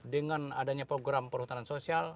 dengan adanya program perhutanan sosial